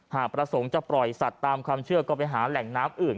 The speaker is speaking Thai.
หากประสงค์จะปล่อยสัตว์ตามความเชื่อก็ไปหาแหล่งน้ำอื่น